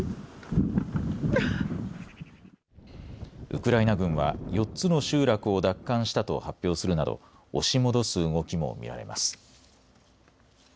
ウクライナ軍は４つの集落を奪還したと発表するなど押し戻す動きも見られます。